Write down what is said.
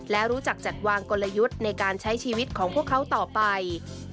และรู้จักจัดวางกลยุทธ์ในการใช้ชีวิตของพวกเขาต่อไป